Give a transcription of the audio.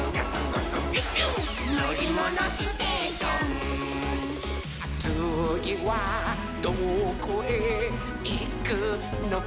「のりものステーション」「つぎはどこへいくのかなほら」